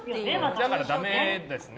だから、だめですね。